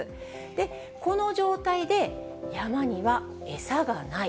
で、この状態で山には餌がない。